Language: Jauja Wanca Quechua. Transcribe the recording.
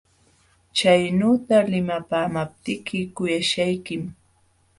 Chaynuyta limapaamaptiyki kuyaśhaykim.